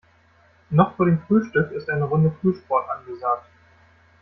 Noch vor dem Frühstück ist eine Runde Frühsport angesagt.